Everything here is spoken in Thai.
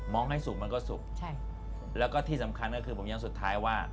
มองให้สุขมันก็สุขแล้วก็ที่สำคัญก็คือผมอยากสุดท้ายว่า